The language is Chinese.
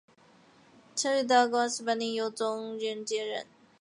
曾于道光十八年由中佑接任。